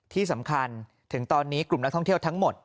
ที่สำคัญถึงตอนนี้กลุ่มนักท่องเที่ยวทั้งหมด